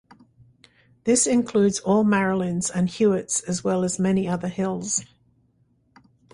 This includes all Marilyns and Hewitts as well as many other hills.